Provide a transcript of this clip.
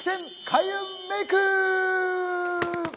開運メイク！